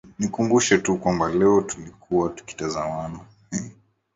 nikukumbushe tu kwamba leo tulikuwa tukitazama